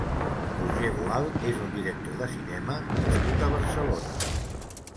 Roger Gual és un director de cinema nascut a Barcelona.